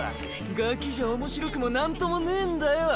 ガキじゃ面白くもなんともねぇんだよ。